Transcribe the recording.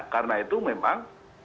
karena itu memang